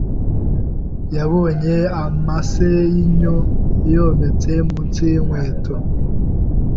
yabonye amase yinyo yometse munsi yinkweto.